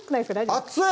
熱い！